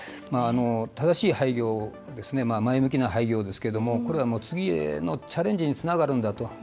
正しい廃業前向きな廃業ですけれどもこれは、次へのチャレンジにつながるんだと。